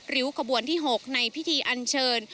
ริ้วขบวนที่๖ในพิธีอันเชิญ